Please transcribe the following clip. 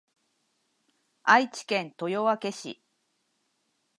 愛知県豊明市